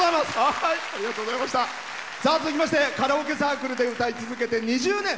続きましてカラオケサークルで歌い続けて２０年。